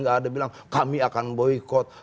gak ada bilang kami akan boykot